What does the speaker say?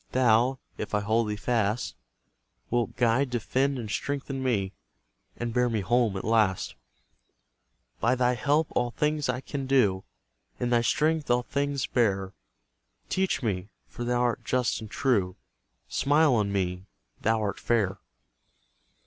Thou, if I hold thee fast, Wilt guide, defend, and strengthen me, And bear me home at last; By thy help all things I can do, In thy strength all things bear, Teach me, for thou art just and true, Smile on me, thou art fair!